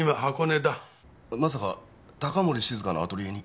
まさか高森静香のアトリエに？